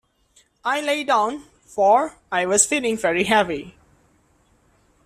I lay down, for I was feeling very heavy.